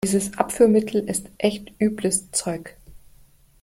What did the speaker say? Dieses Abführmittel ist echt übles Zeug.